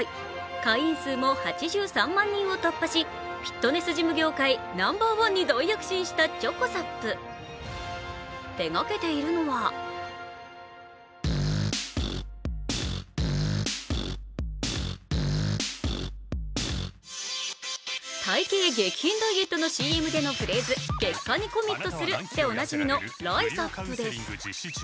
会員数も８３万人を突破しフィットネスジム業界ナンバーワンに大躍進したｃｈｏｃｏＺＡＰ、手がけているのは体型激変ダイエットのＣＭでのフレーズ結果にコミットするでおなじみのライザップです。